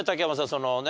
そのね